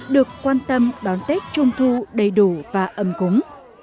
được quan tâm đón tết trung thu đầy đủ và ấm cúng